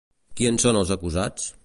Qui en són els acusats?